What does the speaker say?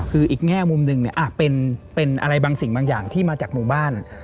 คืออีกแง่มุมหนึ่งเป็นอะไรบางสิ่งบางอย่างที่มาจากหมู่บ้าน